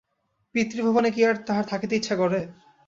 পিতৃভবনে কি আর তাহার থাকিতে ইচ্ছা করে?